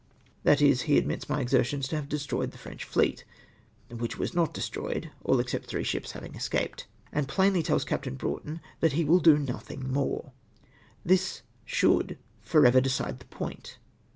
That is, lie admits my exertions to have destroyed tlie Freiicli fleet, (wliicli was not destroyed — all except three ships having escaped) and plainly tells Captain Bronghton that he will do noihimj more ! This should for ever decide the point.